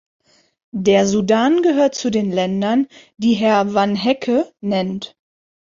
Der Sudan gehört zu den Ländern, die Herr Vanhecke nennt.